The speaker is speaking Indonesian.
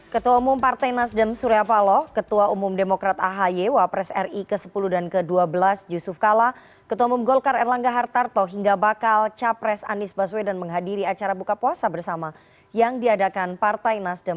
ketua umum partai nasdem surya paloh ketua umum demokrat ahi wapres ri ke sepuluh dan ke dua belas yusuf kala ketua umum golkar erlangga hartarto hingga bakal capres anies baswedan menghadiri acara buka puasa bersama yang diadakan partai nasdem